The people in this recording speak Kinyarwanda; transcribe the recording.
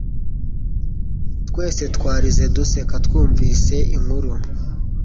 Twese twarize duseka twumvise inkuru